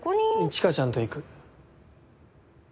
一華ちゃんと行く。